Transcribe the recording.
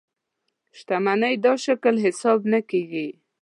شتمنۍ دا شکل حساب نه کېږي.